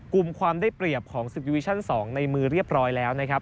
กุมความได้เปรียบของศึกดิวิชั่น๒ในมือเรียบร้อยแล้ว